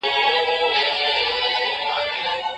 تاسي په اخیرت کي د جنت له نعمتونو مننه کوئ.